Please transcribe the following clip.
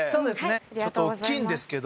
ちょっと大っきいんですけど。